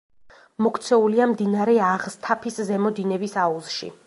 მოქცეულია მდინარე აღსთაფის ზემო დინების აუზში.